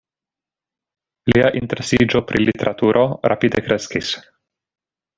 Lia interesiĝo pri literaturo rapide kreskis.